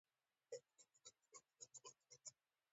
افغانستان د کابل په برخه کې نړیوالو بنسټونو سره کار کوي.